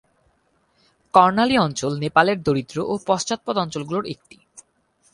কর্ণালী অঞ্চল নেপালের দরিদ্র ও পশ্চাৎপদ অঞ্চলগুলোর একটি।